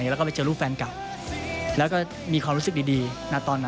แล้วก็ไปเจอลูกแฟนเก่าแล้วก็มีความรู้สึกดีนะตอนนั้น